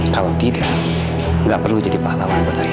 kalau tidak nggak perlu jadi pahlawan buat dari